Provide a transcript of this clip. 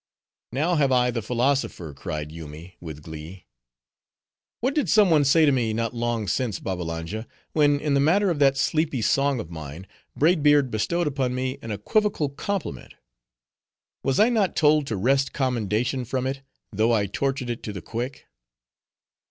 "Now have I the philosopher," cried Yoomy, with glee. "What did some one say to me, not long since, Babbalanja, when in the matter of that sleepy song of mine, Braid Beard bestowed upon me an equivocal compliment? Was I not told to wrest commendation from it, though I tortured it to the quick?"